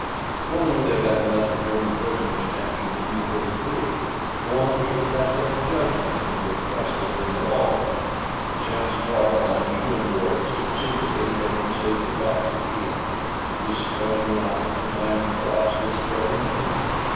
"If only they hadn't let the German prisoners capture the U 33! Bowen should have had better judgment than to have trusted them at all. The chances are von Schoenvorts succeeded in getting safely back to Kiel and is strutting around with an Iron Cross this very minute.